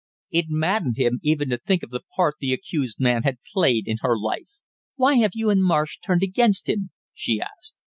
It maddened him even to think of the part the accused man had played in her life. "Why have you and Marsh turned against him?" she asked.